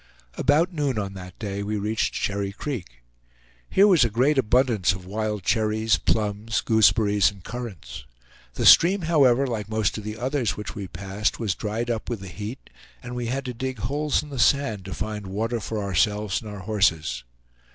About noon on that day we reached Cherry Creek. Here was a great abundance of wild cherries, plums, gooseberries, and currants. The stream, however, like most of the others which we passed, was dried up with the heat, and we had to dig holes in the sand to find water for ourselves and our horses.